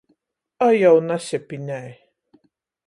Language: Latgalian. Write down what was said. A jau nasepinej!